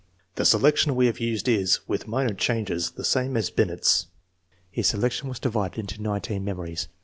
The selection we have used is, with minor changes, the same as Binet's. His selection was divided into nineteen memories.